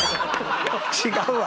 違うわ！